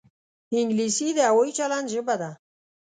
انګلیسي د هوايي چلند ژبه ده